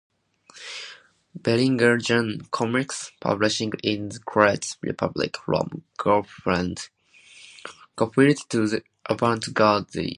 Velinger, Jan. Comics Publishing in the Czech Republic: From Garfield to the Avant Garde.